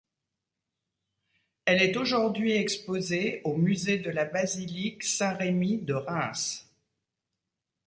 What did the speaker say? Elle est aujourd'hui exposée au musée de la basilique Saint-Remi de Reims.